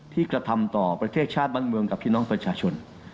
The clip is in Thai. กระทำต่อประเทศชาติบ้านเมืองกับพี่น้องประชาชน